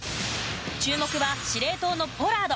注目は司令塔のポラード。